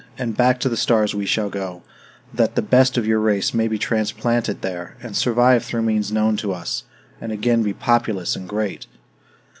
and back to the stars we shall go, that the best of your race may be transplanted there, and survive through means known to us, and again be populous and great.